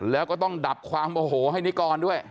แล้วก็ต้องดับความโอโหให้นิกรด้วย